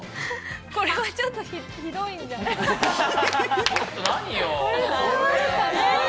これはちょっとひどいんじゃないですか？